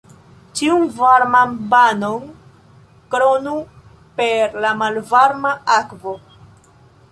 Ĉiun varman banon kronu per la malvarma akvo.